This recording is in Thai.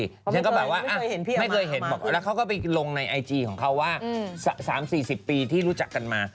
เพราะไม่เคยเห็นพี่อำมาตย์ไม่เคยเห็นแล้วเขาก็ไปลงในไอจีของเขาว่า๓๔๐ปีที่รู้จักกันมา